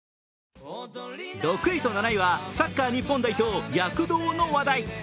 ６位と７位はサッカー日本代表躍動の話題。